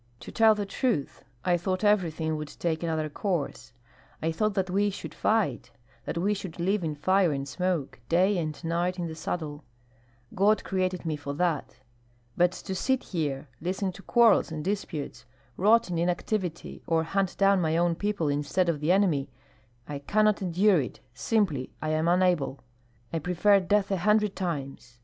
To tell the truth, I thought everything would take another course, I thought that we should fight, that we should live in fire and smoke, day and night in the saddle. God created me for that. But to sit here, listen to quarrels and disputes, rot in inactivity, or hunt down my own people instead of the enemy, I cannot endure it, simply I am unable. I prefer death a hundred times.